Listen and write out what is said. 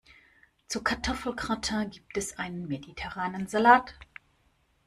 Zum Kartoffelgratin gibt es einen mediterranen Salat.